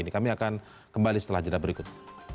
kami akan kembali setelah jerah berikut